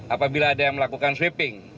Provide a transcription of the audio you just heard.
apabila ada yang melakukan sweeping